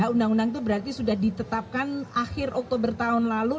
undang undang itu berarti sudah ditetapkan akhir oktober tahun lalu